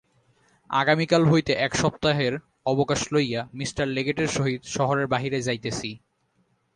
আগামীকাল হইতে এক সপ্তাহের অবকাশ লইয়া মি লেগেটের সহিত শহরের বাহিরে যাইতেছি।